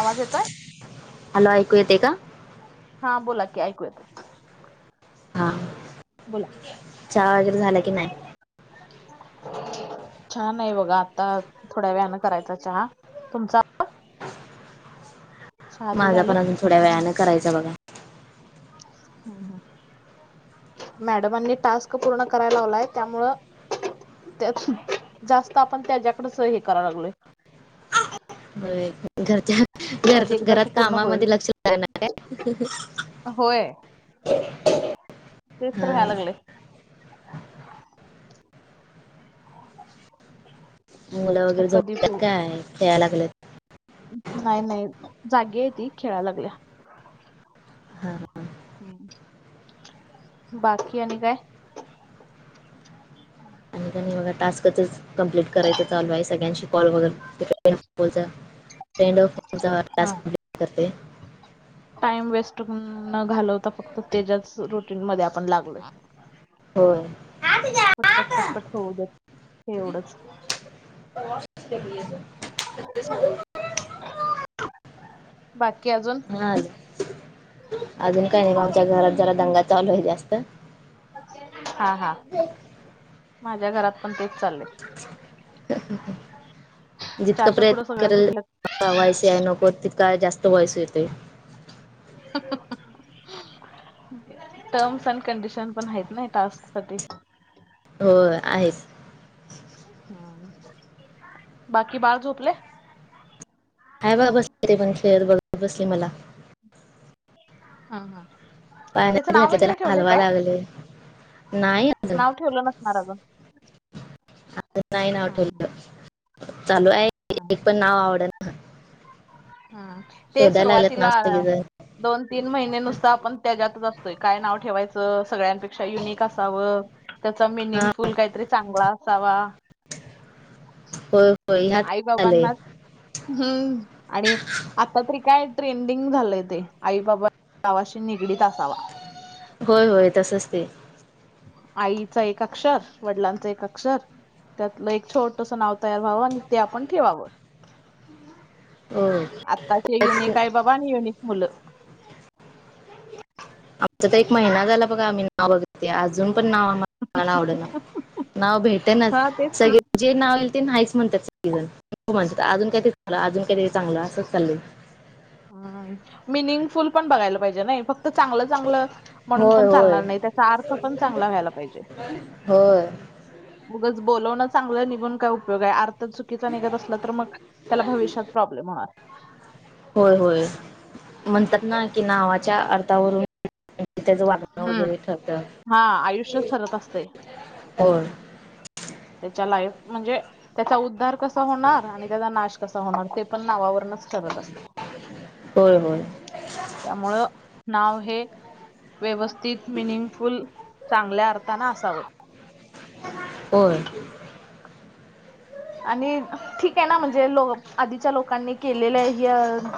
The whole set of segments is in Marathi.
आवाज येतोय. हॅलो ऐकू येते का? हा बोला की ऐकू येत. हा! बोल चहा वगैरे झाला की नाही हा नाही बघा आता थोड्या वेनें करायचा चहा तुमचा चहा ते माझा झालं पण अून थोड्या व्यायानें करायचा बघा ह मॅडमांनी टास्क पूर्ण कराय लावलाय त्यामुळ त्यात जास्त आपण त्याच्याकडेच हे कराव लागलोय होय. घरच्या ह घर कधी एकदाच घरात पूर्ण होईल कामामध्ये लक्ष लाणार आहे होय हा तसर हा. म्यालागळे मुलं तर वगैरे कधी झोपल्या पू काय त्याय लागले नाही नाही जागी आहे ती खेळायला लागल्या हा हा बाकी आणि काय आणि त्यांनी बघा टास्कच कं्प्लीट करायचं चालू आहे सगळ्यांशी कॉल वगैरे ्रेंड ट् हा करते टाइम वेस्ट न घालवता फक्त त्याच्याच रुटीन मध्ये आपण लागलोय होय पटपट पटपट होऊ द हे एवढंच बाकी अजून हा अजून काही नाही आमच्या घरात जरा दंगा चालू आहे जास्त हा हा माझ्या घरात पण तेच चालले जितका पुढे प्रयत्न सगळे करेल सुटलेत वाॉस नको तितका जास्त वाॉईस येतोय टर्म्स अनड कंडिशन पण आहेत नाही टास्क साठी हो आहेच हम्म बाकी बाळ झोपले हाय बा बसले ते पण खेळत बघर बसले मला हा हा त्याच पाण्यात नाव घातले त्याला वगैरे ठेवलंय हलवा काय लागले नाही अजून नाव ठेवलं नसणार अजून आ नाही नाव हं ठेवलं चालू आहे हं एक पण नाव आवड ना हम्म ते लागलेत सुरुवातीला नाव सगळेजण दोन तीन महिने नुसत आपण त्याच्यातच असतोय काय नाव ठेवायचं सगळ्यां ेक्षा युनिक असाव त्याचा मिनिंग हा फुल काहीतरी चांगला असावा होय होय ह्यात आई आलंय बाबाांना हम्म आणि आता तरी काय ट्रेंडिंग झालंय ते आई बाबा गावाशी निगडीत असावा होय होय तसच ते आईचा एक अक्षर वडिलांचा एक अक्षर त्यातलं एक छोटस नाव तयार व्हावं आणि ते आपण ठेवावं हम् भवा युन मुलं आमचा तर एक महिना झाला बघा आम्ही नाव बघितते अजून पण नाव आ ण आवड ना नाव भेटे नाच हा तेच की सगळे जे नाव येईल ते नाहीस म्हणतात स म्हणतात अजून काय ते चग अजून काय ते चांगलं असंच चालल हम् मिनिंगफुल पण बघायला पाहिजे ना फक्त तर चांगलं चांगलं म्हणून होय पण होय चालणार नाही त्याचा अर्थ पण चांगला व्हायला पाहिजे हो मगच बवणं चांगलं निघून काय उपयोग आहे आर्थ चुकीचा निघत असला तर मग त्याला भविष्यात प्र म्हणार होय होय म्हणतात ना कि नावाच्या अर्थावरून त्याच वाप हम्म हा आयुष्य ठरत असते. हो. त्याच्या लाईफ म्हणजे त्याचा उद्धार कसा होणार आणि त्याचा नाश कसा होणार ते पण नावावर. करत असते. होय होय त्यामुळं नाव हे व्यवस्थित मिनिंगफुल चांगल्या अर्थाान असावं. हो. आणि ठीक आहे ना म्हणजे लो आधीच्या लोकांनी केलेल्या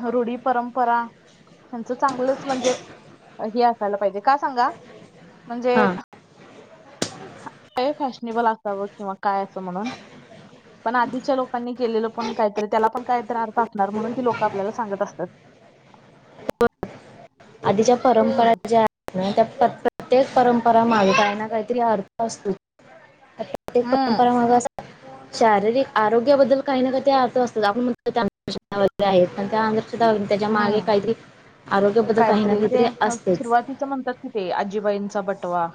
ह रूढी परं. पच चांगलंच म्हणजे हे असायला पाहिजे का सांगा. म्हणजे. हा का फॅशनेबल असावं किंवा काय असं म्हणून. पण आधीच्या लोकांनी केलेलं पण काहीतरी त्याला पण काहीत अर्थ असणार म्हणून ती लोक आपल्याला सांगत असतात. आधीच्या परंपरा हम्म ज्या त्या प्रत्येक परंपरा माझ काही ना काहीतरी अर्थ असतो. प्रक हम्म परंपरा माग अस. शारीरिक आरोग्याबद्दल काही ना काही ते अर्थ असतात आपण म्हणतगर आहेत पण त्या त्याच्या मागे हम्म काहीतरी आरोग्य कायतरी ते सुरुवातीच म्हणतात कि ते आजीबाईंचा बटवा.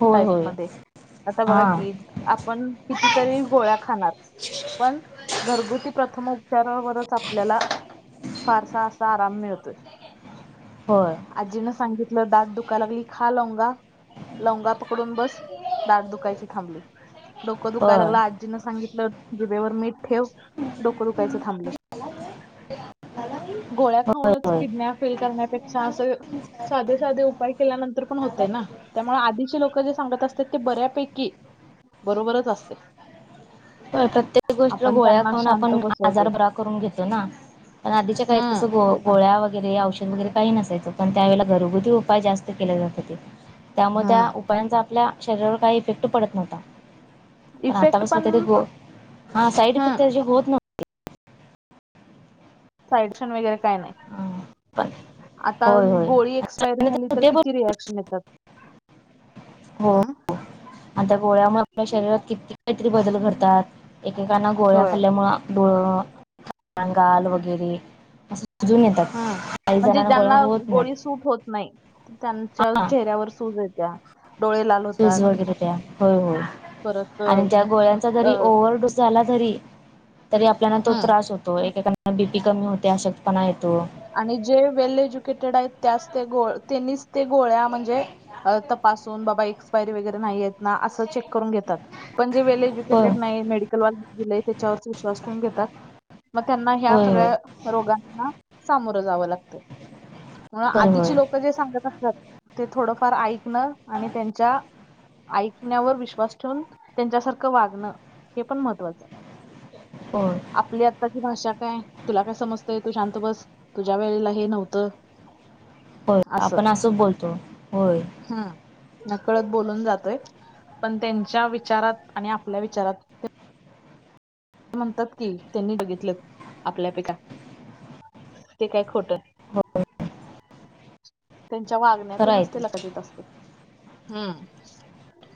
होय टाईप होय मध्ये आता हा बघा की आपण कितीतरी गोळ्या खाणार. पण घरगुती प्रथम उपचारावरच आपल्याला. फारसा असा आराम मिळतोय. होय. आजीनं सांगितलं दाट दुखा लागली खा लाव गा लवंगा पकडून बस दाट दुखायची थांबली. डोकं दुखायला होय लागलं आजीनं सांगितलं जिबेवर मी ठेव डोकं दुखायचं थांबलं गोळ्या होय खाऊनच होय. किडनॅप फील करण्या पेक्षा अस साध उपाय केल्यानंतर पण होतय ना त्यामुळे आधीचे लोक जे सांगत असतात ते बऱ्यापैकी. बरोबरच असते. प प्रत्येक गोष्टीला आपण गोळ्या त्यांना खाऊन शांत आपण आजार बसवतोय बरा करून घेतो ना. पण आधीच्या काही तसं ग. हम्म गोळ्या वगैरे औषध वगैरे काही नसायचं पण त्यावेेळेला घरगुती उपाय जास्त केले जात हो ते. त्यामुळे त्या हम्म उपायांचा आपल्या शरीरावर काही इफेक्ट पडत नव्हता. इफेक्ट ' [unintelligible] ' पण. तर हा साईड हम्म इफेक्ट होत नव्ह साइडशन वगैरे काय नाही पण आता होय होय गोळी एक्सपायर झाली तर सुटेबल किती. ती रिॲक्शन येतात. हो हम्म [inaudible] हो आणि त्या गोळ्यामुळे आपल्या शरीरात किती काहीतरी बदल करतात. एकेकांना गोळ्या होय खाल्यामुळ [unintelligible] गाल वगैरे अस. ह म्हणजे ज्यांना होत नाहीत गोळी सूट होत नाही त्यांच्या चेहऱ्यावर सूज ये. सुझ वगैरे द्या होय होय. परत आणि त्या अ गोळ्यांचा जरी ओव्हडो झाला तरी तरी आपल्याला तो हम्म त्रास होतो एकेकांना बीपी कमी होते अशक्तपणा येतो. आणि जे वेल एज्युकेटेड आहेत त्यास त्या गोळ त्यांनीच ते गोळ्या म्हणजे. अं तपासून बाबा एक्सपायरी वैगेरे नाही आहेत ना अस चेक करून घेतात पण जे वेलए. होय [unintelligible] मेडीकल वाल लई त्याच्यावरच विश्वास ठेवून घेतात मग त्यांना ह्या होय होय सगळ्या. मग रोगांना सामोरं जावं लागते मुळ होय होय आधीची लोक. त जे सांगत असतात ते थोडफार ऐकण आणि त्यांच्या ऐकण्यावर विश्वास ठेवून त्यांच्यासारख वागण हे पण महत्त्वाचय. होय आपली आताची भाषा काय तुला काय समजतय तू शांत बस. तुझ्या वेळेला हे नव्हत. होय आपण अस बोलतो होय. हं नकळत बोलून जातोय पण त्यांच्या विचारात आणि आपल्या विचारात ते म्हणतात की त्यांनी बघितल्यात आपल्या पीकात ते काय खोट होय त्यांच्या खरं आहे वागण्यातूनच ते लगत येत असतय हम्म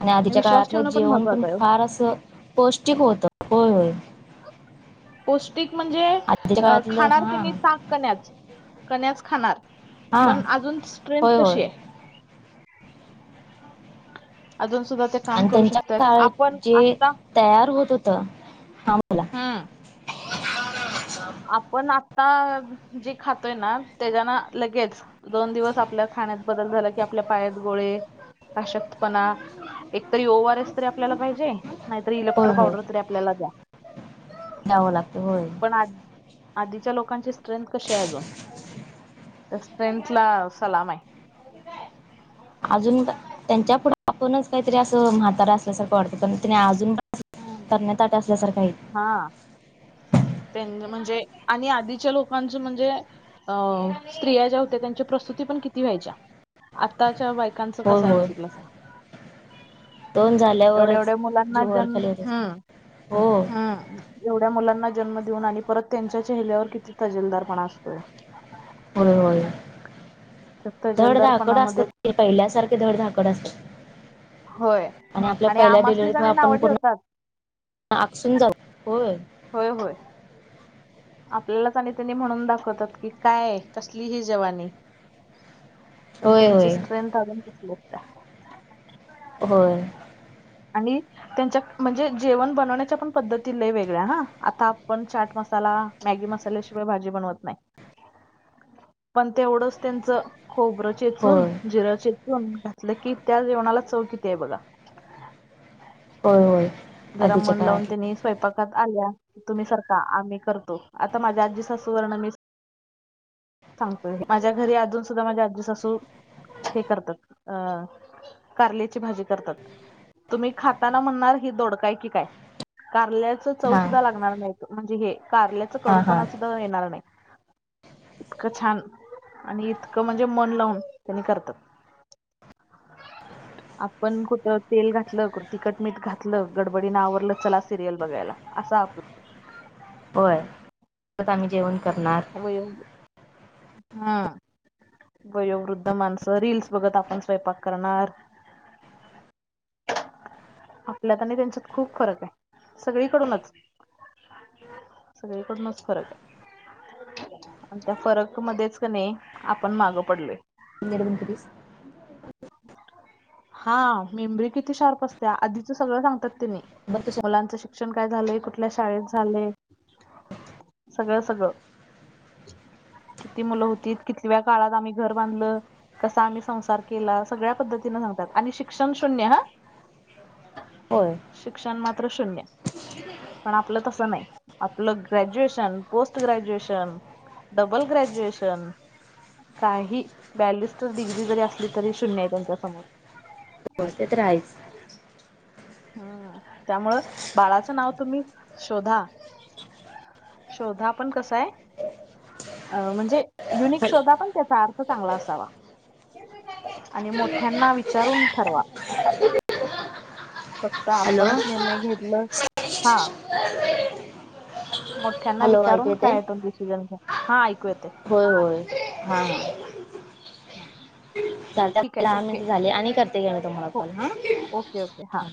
आणि आधीच्या विश्वास काळातलं ठेवणं जेवण पण महत्त्वाचं आहे फार असं पोष्टिक होत होय होय. पौष्टिक म्हणजे आधीच्या काळातलं खाणार ते हा मी ताक कण्याच कण्याच खाणार हा पण अजून होय स्ट्रेंथ होय कशीये अजून सुद्धा ते काम आणि करू त्यांच्या शकत्यात काळात आपण जे आत्ता तयार होत होत हा बोला हम्म [unintelligible] आपण आत्ता जे खातोय ना त्याजान लगेच दोन दिवस आपल्या खाण्यात बदल झाला की आपल्या पायात गोळे अशक्तपणा एकतरी ओ आर एस तरी आपल्याला पाहिजे. नाही तरी होय इलेक्ट्रो पावडर तरी आपल्याला द्या. द्याव लागतं होय. [unintelligible] आधीच्या लोकांची स्ट्रेंथ कशी आहे अजून त्या स्ट्रेंथला सलामय. अजून त त्यांच्या पुढे आपुणच काहीतरी असं म्हातारा असल्यासारखं वाटतं पण तेनी अजून पण तरण्या ताट्या असल्यासारखय. हा त्यानी म्हणजे आणि आधीच्या लोकांचं म्हणजे अं स्त्रिया ज्या होत्या त्यांच्या प्रसुती पण किती व्हायच्या. आत्ताच्या बायकांच होय कसय होय बघितलसा. दोन एवढ्या झाल्यावरच एवढ्या मुलांना जीव वर जन खाली होत हम्म असतो हो हम्म एवढ्या मुलांना जन्म देऊन आणि परत त्यांच्या चेहऱ्यावर किती तजेलदारपणा असतोय. होय होय. त्या धडधाकट तजेलदारपणामध्ये असत्यात पहिल्यासारख धडधाकट असतत्यात. होय आणि आपल्या पहिल्या आमासनीच डिलवरितन आणि नाव आपण पुन्हा ठेवतात आकसून जाऊ होय. होय होय. आपल्याला आणि त्यांनी म्हणून दाखवतात की काय कसली ही जवानी पण होय त्यांची होय स्ट्रेंथ अजून कसली असत्या. होय. आणि त्यांच्या म्हणजे जेवण बनवण्याच्या पण पद्धती लय वेगळ्या हा आता आपण चाट मसाला मॅगी मसाल्याशिवाय भाजी बनवत नाही पण तेवढंच त्यांचं खोबरं चेचून होय जिरं चेचून घातलं की त्या जेवणाला चव किती आहे बघा. होय होय. जरा आधीच्या मन लावून काळातले त्यांनी स्वयपाक आल्या कि तुम्ही सरका आम्ही करतो आता माझ्या आजी सासूवरन मी सांगतोय माझ्या घरी अजून सुद्धा माझ्या आजीसासू हे करतात अ कारल्याची भाजी करतात. तुम्ही खाताना म्हणणार ही दोडकाय की काय कारल्याच चव हा सुद्धा लागणार नाही म्हणजे हे कारल्याच हा हा कडूपणा सुद्धा येणार नाही. इतकं छान आणि इतकं म्हणजे मन लावून त्यांनी करतात. [inaudible] आपण कुठं तेल घातलं, कुट तिखटमीठ घातलं, गडबडीने आवरलं चला सिरियल बघायला. अस आपलं होय [unintelligible] आम्ही जेवण करणार हो हम्म वयोवृद्ध माणसं रीलस बघत आपण स्वयंपाक करणार [inaudible] आपल्यात आणि त्यांच्यात खूप फरक आहे सगळीकडूनच सगळीकडूनच फरक आहे आणि त्या फरक मध्येच क नाही आपण माग पडलोय रबण प्लीज [inaudible] हा मेमरी किती शार्प असते आधीच सगळं सांगतात तिने मग त मुलांचं शिक्षण काय झालंय कुठल्या शाळेत झाले [inaudible] सगळं सगळं किती मुलं होती कितव्या काळात आम्ही घर बांधलं कसा आम्ही संसार केला सगळ्या पद्धतीने सांगतात आणि शिक्षण शून्य हा [inaudible] होय शिक्षण मात्र शून्य पण आपलं तस नाही आपलं graduation post graduation double graduation काही बॅलिस्टर डिग्री जरी असली तरी शून्य आहे त्यांच्या समोर होय ते तर आहेच हम्म त्यामुळं बाळाचं नाव तुम्ही शोधा शोधा पण कसा आहे अ म्हणजे युनिक शोधा पण त्याचा अर्थ चांगला असावा आणि मोठ्यांना विचारून ठरवा फक्त हॅलो आपणच निर्णय घेतलं हा [unintelligible] मोठ्यांना हॅलो ऐकू विचारून येते कायतो डिसिजन घ्या, हा ऐकू येतय. होय होय हा हा [inaudible] ठीक आहे दहा ओके मिनिट झाली आणि करते गेल तुम्हाला हो पण हा ओके ओके हा